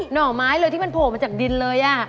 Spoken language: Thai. หน่อไม้เลยที่พกมาจากดินเลยอ่ะ